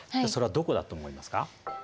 それはどこだと思いますか？